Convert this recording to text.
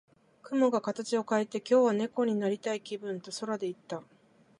雲が形を変えて、「今日は猫になりたい気分」と空で言った。